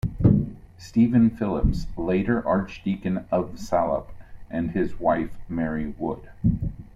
Stephen Philips, later archdeacon of Salop, and his wife Mary Wood.